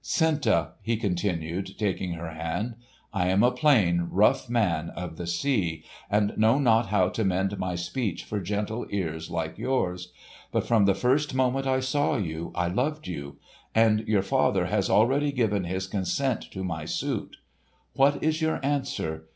"Senta," he continued, taking her hand, "I am a plain, rough man of the sea, and know not how to mend my speech for gentle ears like yours. But from the first moment I saw you, I loved you. And your father has already given his consent to my suit. What is your answer?